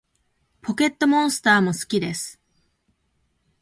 ポケットモンスターも好きです